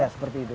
ya seperti itu